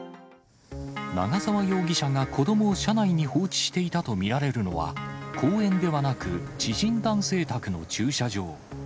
長沢容疑者が子どもを車内に放置していたと見られるのは、公園ではなく、知人男性宅の駐車場。